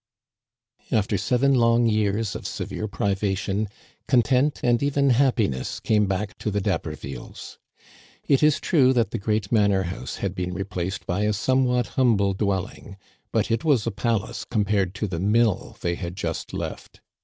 After seven long years of severe privation, content and even happiness came back to the D'Habervilles. It is true that the great manor house had been replaced by a somewhat humble dwelling ; but it was a palace compared to the mill they had just left.